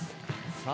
さあ